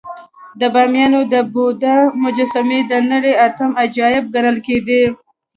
د بامیانو د بودا مجسمې د نړۍ اتم عجایب ګڼل کېدې